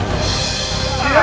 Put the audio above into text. diam diam diam